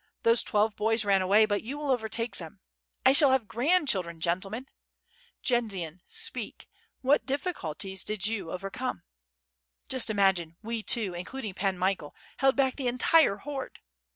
Those twelve boys ran away but you will overtake them. I shall have grandchildren, gentlemen. Jendzian, speak, what difficulties did you overcome? Just imagine, we two, including Pan Michael, held back the entire horde.